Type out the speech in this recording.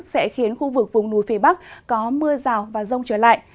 sẽ khiến khu vực vùng núi phía bắc có mưa rào và rông trở lại